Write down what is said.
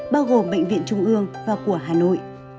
bao gồm bệnh viện trung ương và của hà nội